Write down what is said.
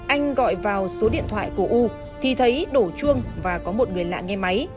anh gọi vào số điện thoại của u thì thấy đổ chuông và có một người lạ nghe máy